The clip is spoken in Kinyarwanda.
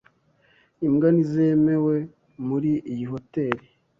Imbwa ntizemewe muri iyi hoteri.